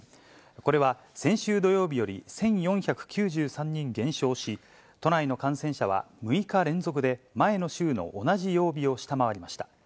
これは先週土曜日より１４９３人減少し、都内の感染者は６日連続で前の週の同じ曜日を下回りました。